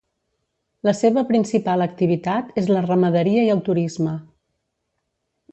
La seva principal activitat és la ramaderia i el turisme.